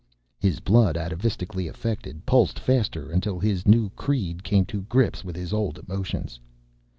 His blood, atavistically effected, pulsed faster until his new creed came to grips with his old emotions.